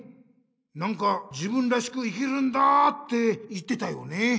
なんか「自分らしく生きるんだ」って言ってたよね。